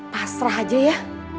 pasrah aja ya